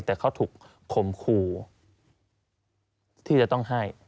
แต่เขาถูกคมครูที่จะต้องให้